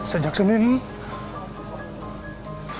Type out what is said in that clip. sejak semen ini